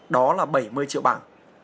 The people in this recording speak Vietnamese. đó là bảy mươi triệu bản